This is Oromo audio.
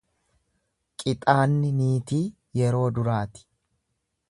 Qixaanni niitii yeroo duraati.